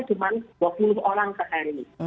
cuma dua puluh orang sehari ini